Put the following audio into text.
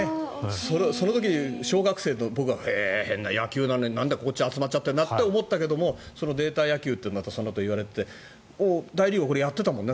その時、小学生の僕は変な野球なのになんだこっち集まっちゃってるなって思ってたけどそのデータ野球というのをそのあと言われていて大リーグはずっとやってたよね